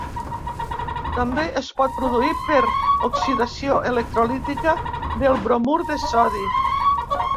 També es pot produir per oxidació electrolítica del bromur de sodi.